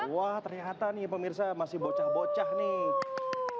wah ternyata nih pemirsa masih bocah bocah nih